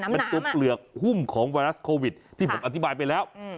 เป็นตัวเปลือกหุ้มของไวรัสโควิดที่ผมอธิบายไปแล้ว